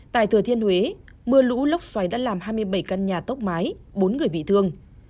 tại thừa thiên huế mưa lũ lốc xoáy đã làm hai mươi bảy căn nhà tốc mái bốn người bị thương